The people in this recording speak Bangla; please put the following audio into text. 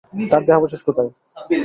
তার দেহাবশেষ কোথায়?